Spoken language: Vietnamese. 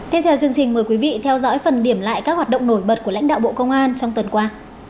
tiếp theo chương trình mời quý vị theo dõi phần điểm lại các hoạt động nổi bật của lãnh đạo bộ công an trong tuần qua